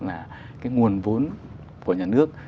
là cái nguồn vốn của nhà nước